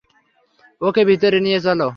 ওকে ভিতরে নিয়ে চলো।